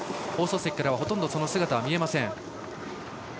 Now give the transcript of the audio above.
放送席からはほとんどその姿は見えません。